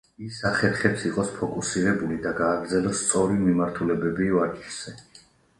ის ახერხებს იყოს ფოკუსირებული და გააგრძელოს სწორი მიმართულებები ვარჯიშზე.